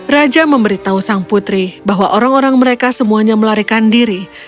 raja memberitahu sang putri bahwa orang orang mereka semuanya melarikan diri